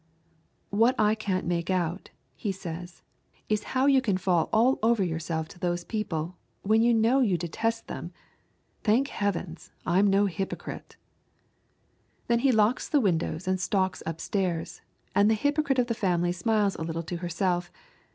"What I can't make out," he says, "is how you can fall all over yourself to those people, when you know you detest them. Thank heavens, I'm no hypocrite." Then he locks the windows and stalks up stairs, and the hypocrite of the family smiles a little to herself.